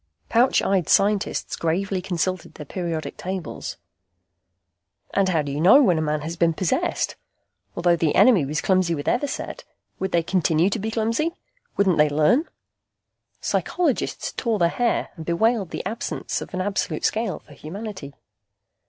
Pouch eyed scientists gravely consulted their periodic tables. And how do you know when a man has been possessed? Although the enemy was clumsy with Everset, would they continue to be clumsy? Wouldn't they learn? Psychologists tore their hair and bewailed the absence of an absolute scale for humanity.